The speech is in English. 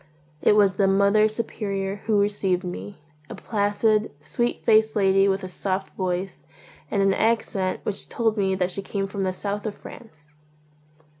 It was the Mother Superior who received me, a placid, sweet faced lady with a soft voice and an accent which told me that she came from the South of France.